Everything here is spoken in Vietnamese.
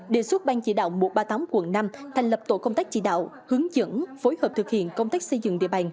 đề xuất ban chỉ đạo một trăm ba mươi tám quận năm thành lập tổ công tác chỉ đạo hướng dẫn phối hợp thực hiện công tác xây dựng địa bàn